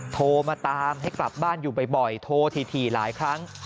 โทรมาตามให้กลับบ้านอยู่บ่อยโทรถี่หลายครั้ง